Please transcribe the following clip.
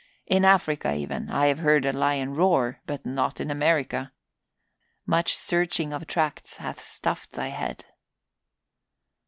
In Africa even I have heard a lion roar, but not in America. Much searching of tracts hath stuffed thy head."